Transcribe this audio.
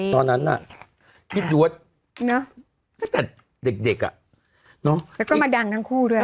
ตอนนั้นน่ะนิดยวดเนอะตั้งแต่เด็กอ่ะเนาะแล้วก็มาดังทั้งคู่ด้วย